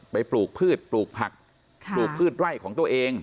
ปลูกพืชปลูกผักปลูกพืชไร่ของตัวเอง